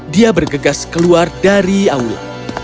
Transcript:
dia bergegas keluar dari awul